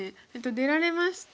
出られまして。